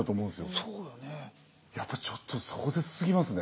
やっぱちょっと壮絶すぎますね。